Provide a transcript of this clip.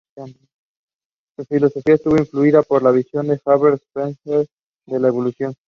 Su filosofía estuvo influida por la visión de Herbert Spencer de la evolución.